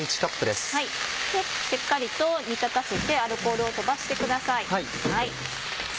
しっかりと煮立たせてアルコールを飛ばしてください。